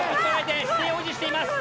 姿勢を保持しています。